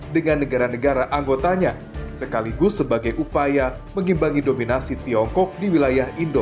dengan negara negara anggotanya sekaligus sebagai upaya mengimbangi dominasi tiongkok di wilayah indonesia